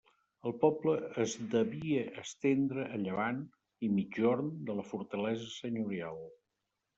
El poble es devia estendre a llevant i migjorn de la fortalesa senyorial.